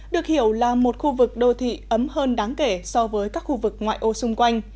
được hiểu là một khu vực đô thị ấm hơn đáng kể so với các khu vực ngoại ô xung quanh